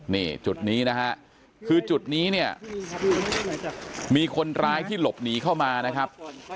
นี่จุดนี้นะฮะคือจุดนี้เนี่ยมีคนร้ายที่หลบหนีเข้ามานะครับ